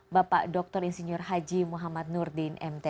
bapak dr insinyur haji muhammad nurdin mt